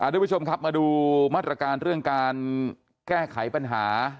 ทุกผู้ชมครับมาดูมาตรการเรื่องการแก้ไขปัญหา